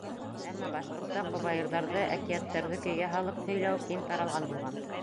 Әммә башҡортта ҡобайырҙарҙы, әкиәттәрҙе көйгә һалып һөйләү киң таралған булған.